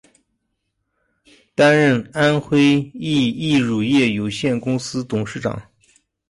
担任安徽益益乳业有限公司董事长。